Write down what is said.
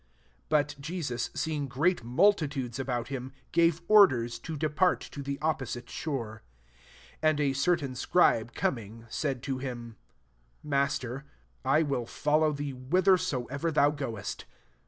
18 But Jesus seeing great nudtitudes ahout himy gave or ciers to depart to the opposite fljx>re* 19 And a certain scribe coming, said to Mm, ^^ Master, X will follow thee whithersoever tl»ou goest.''